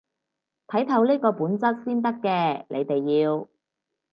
睇透呢個本質先得嘅，你哋要